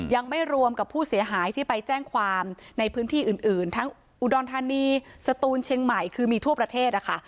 ยังไม่รวมกับผู้เสียหายที่ไปแจ้งความในพื้นที่อื่นทั้งอุดรธานีสตูนเชียงใหม่คือมีทั่วประเทศนะคะ